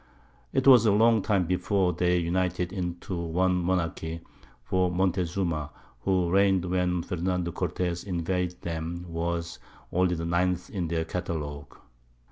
'Twas a long time before they united into one Monarchy; for Montezuma, who reign'd when Fernando Cortez invaded them, was only the 9_th_ in their Catalogue.